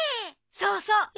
そうそう！